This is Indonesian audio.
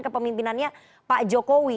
ke pemimpinannya pak jokowi